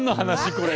これ。